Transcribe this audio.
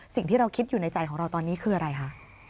สิ่งที่เราคิดอยู่ในใจของเราตอนนี้คืออะไรคะ